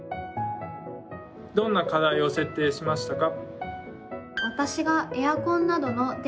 どんな課題を設定しましたか？